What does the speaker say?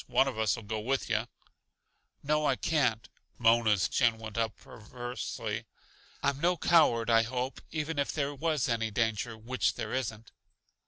One of us'll go with yuh." "No, I can't." Mona's chin went up perversely. "I'm no coward, I hope, even if there was any danger which there isn't."